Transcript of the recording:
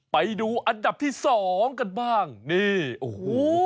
ไปดูอันดับที่สองกันบ้างนี่โอ้โห